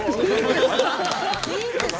いいんですか？